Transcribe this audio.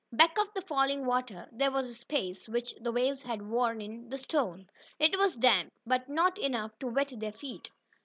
Back of the falling water there was a space which the waves had worn in the stone. It was damp, but not enough to wet their feet.